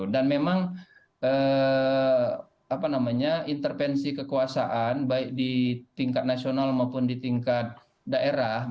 dan memang intervensi kekuasaan baik di tingkat nasional maupun di tingkat daerah